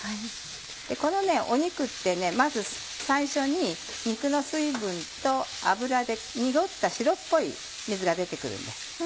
この肉ってまず最初に肉の水分と脂で濁った白っぽい水が出て来るんです。